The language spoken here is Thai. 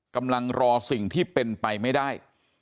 กำลังรอสิ่งที่เป็นไปไม่ได้